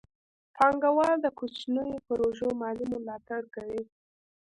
پانګه وال د کوچنیو پروژو مالي ملاتړ کوي.